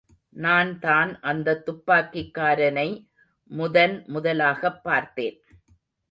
நான் தான் அந்த துப்பாக்கிக்காரனை முதன் முதலாகப் பார்த்தேன்.